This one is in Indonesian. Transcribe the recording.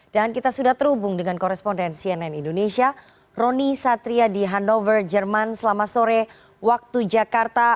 dan kita sudah terhubung dengan koresponden cnn indonesia roni satria di hanover jerman selama sore waktu jakarta